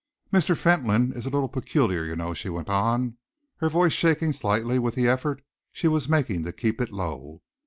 "Mr. Fentolin is a little peculiar, you know," she went on, her voice shaking slightly with the effort she was making to keep it low.